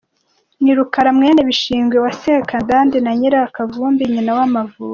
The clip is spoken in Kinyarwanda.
Ni Rukara mwene Bishingwe wa Sekidandi na Nyirakavumbi nyina w’Amavubi.